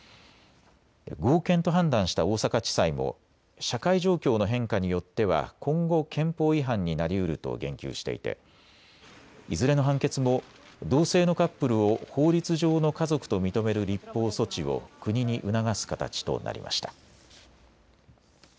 合憲と判断した大阪地裁も社会状況の変化によっては今後、憲法違反になりうると言及していていずれの判決も同性のカップルを法律上の家族と認める立法措置を国に促す形となりました。